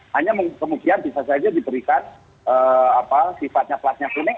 hanya kemudian bisa saja diberikan sifatnya platnya kuning